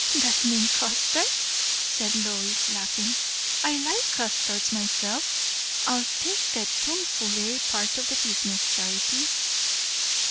"That means custards?" said Lois, laughing. "I like custards myself. I'll take the tomfoolery part of the business, Charity."